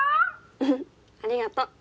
うんありがと。